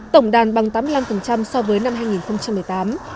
tổng đàn bằng tám mươi năm so với năm hai nghìn một mươi tám